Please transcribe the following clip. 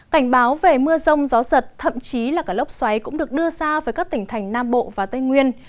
cảnh báo về mưa rông gió giật thậm chí là cả lốc xoáy cũng được đưa ra với các tỉnh thành nam bộ và tây nguyên